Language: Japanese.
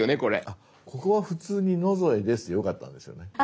あっここは普通に「野添です」でよかったんですよね。